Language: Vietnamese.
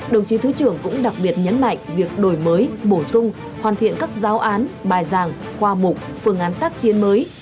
đồng chí thứ trưởng cũng đặc biệt nhấn mạnh việc đổi mới bổ sung hoàn thiện các giáo án bài giảng khoa mục phương án tác chiến mới